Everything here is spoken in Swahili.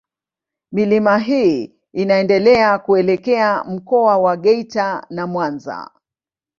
Milima hii inaendelea kuelekea Mkoa wa Geita na Mwanza.